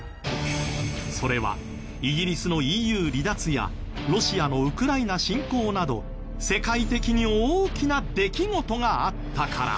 それはイギリスのＥＵ離脱やロシアのウクライナ侵攻など世界的に大きな出来事があったから。